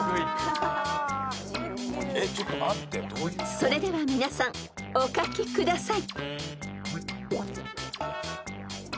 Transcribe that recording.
［それでは皆さんお書きください］